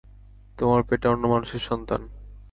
তোমার পেটে অন্য মানুষের সন্তান।